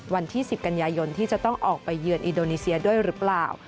วันที่๑๐กันยายนที่จะต้องออกไปเยือนอินโดนีเซียด้วยหรือเปล่า